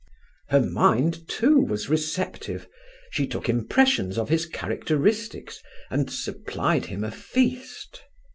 Her mind, too, was receptive. She took impressions of his characteristics, and supplied him a feast.